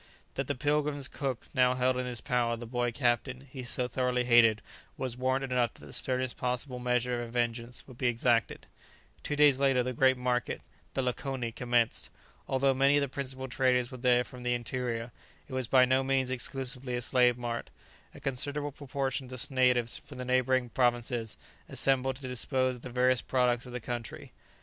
That the "Pilgrim's" cook now held in his power the boy captain he so thoroughly hated was warrant enough that the sternest possible measure of vengeance would be exacted. [Illustration: Accompanied by Coïmbra, Alvez himself was one of the first arrivals.] Two days later, the great market, the lakoni, commenced. Although many of the principal traders were there from the interior, it was by no means exclusively a slave mart; a considerable proportion of the natives from the neighbouring provinces assembled to dispose of the various products of the country.